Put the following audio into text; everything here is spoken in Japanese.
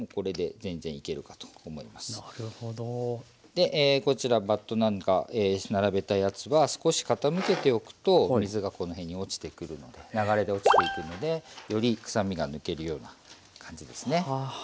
でこちらバットなんか並べたやつは少し傾けておくと水がこの辺に落ちてくるので流れで落ちていくのでよりくさみが抜けるような感じですね。